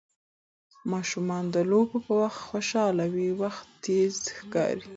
ماشومان د لوبو په وخت خوشحاله وي، وخت تېز ښکاري.